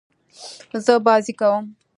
زه بازۍ کوم.